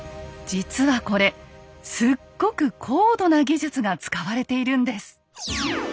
実はこれすっごく高度な技術が使われているんです。